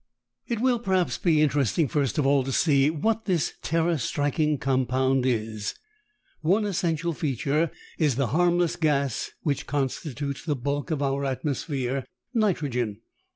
It will perhaps be interesting first of all to see what this terror striking compound is. One essential feature is the harmless gas which constitutes the bulk of our atmosphere, nitrogen.